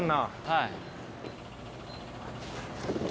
はい。